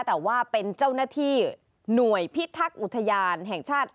แต่ว่าเป็นเจ้าหน้าที่หน่วยพิทักษ์อุทยานแห่งชาติ